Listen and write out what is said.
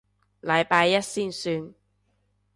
禮拜一先算